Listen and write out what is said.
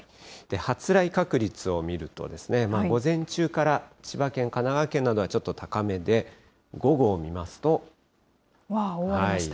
発雷確率を見ると、午前中から千葉県、神奈川県などはちょっと高わっ、覆われました。